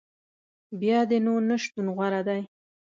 بیا دي نو نه شتون غوره دی